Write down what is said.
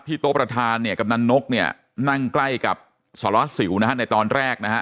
โต๊ะประธานเนี่ยกำนันนกเนี่ยนั่งใกล้กับสารวัสสิวนะฮะในตอนแรกนะฮะ